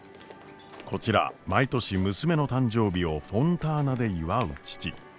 こちら毎年娘の誕生日をフォンターナで祝う父。